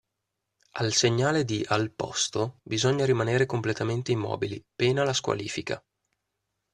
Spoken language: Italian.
Al segnale di "Al posto" bisogna rimanere completamente immobili, pena la squalifica.